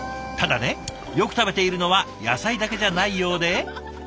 ただねよく食べているのは野菜だけじゃないようで。